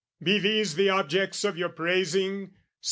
"Be these the objects of your praising?